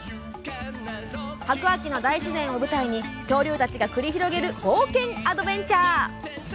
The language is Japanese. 白亜紀の大自然を舞台に恐竜たちが繰り広げる冒険アドベンチャー。